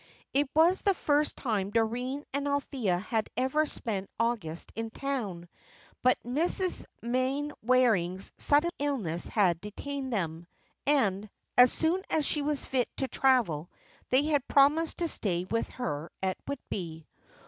It was the first time Doreen and Althea had ever spent August in town; but Mrs. Mainwaring's sudden illness had detained them, and, as soon as she was fit to travel, they had promised to stay with her at Whitby.